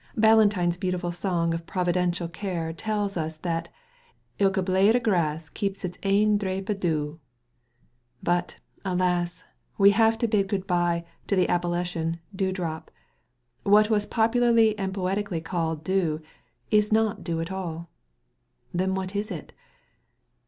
Ballantine's beautiful song of Providential care tells us that "Ilka blade o' grass keps it's ain drap o' dew." But, alas! we have to bid "good bye" to the appellation "dew drop." What was popularly and poetically called dew is not dew at all. Then what is it?